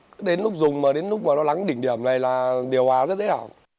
cứ đến lúc dùng mà đến lúc nó lắng đỉnh điểm này là điều hòa rất dễ hảo